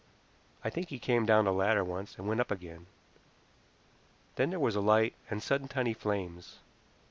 I think he came down the ladder once and went up again. Then there was a light and sudden tiny flames.